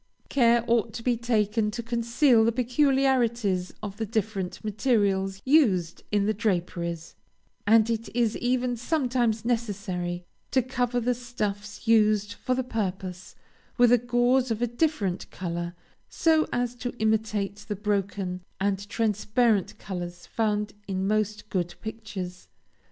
"Care ought to be taken to conceal the peculiarities of the different materials used in the draperies, and it is even sometimes necessary to cover the stuffs used for the purpose with a gauze of a different color, so as to imitate the broken and transparent colors found in most good pictures.